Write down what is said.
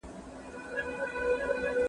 مدیر وویل چې راپور چمتو دی.